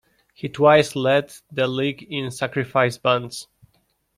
He twice led the league in sacrifice bunts.